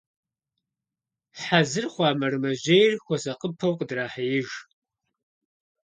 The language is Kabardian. Хьэзыр хъуа мэрэмэжьейр хуэсакъыпэу къыдрахьеиж.